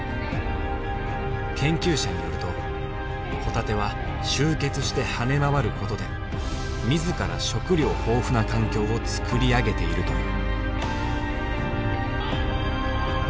研究者によるとホタテは集結して跳ね回ることで自ら食料豊富な環境をつくり上げているという。